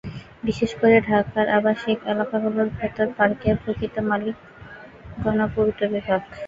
বিশেষ করে ঢাকার আবাসিক এলাকাগুলোর ভেতরে পার্কের প্রকৃত মালিক গণপূর্ত বিভাগ।